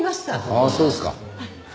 ああそうですか。